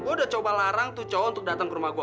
gue udah coba larang tuh cowok untuk datang ke rumah gue